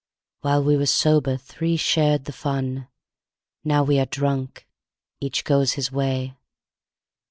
While we were sober, three shared the fun; Now we are drunk, each goes his way.